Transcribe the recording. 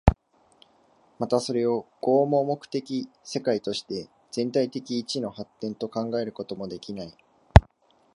またそれを合目的的世界として全体的一の発展と考えることもできない。